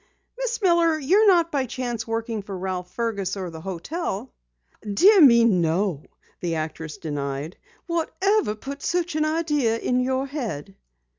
"Miss Miller, you're not by chance working for Ralph Fergus or the hotel?" "Dear me, no!" the actress denied. "Whatever put such an idea in your head?"